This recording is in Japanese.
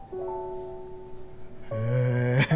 へえ！